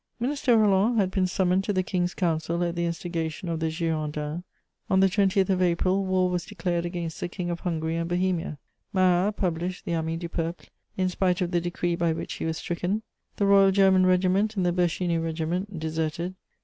Minister Roland had been summoned to the King's Council at the instigation of the Girondins. On the 20th of April, war was declared against the King of Hungary and Bohemia. Marat published the Ami du peuple in spite of the decree by which he was stricken. The Royal German Regiment and the Berchiny Regiment deserted.